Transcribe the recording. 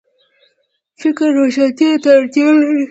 فکر روښانتیا ته اړتیا لري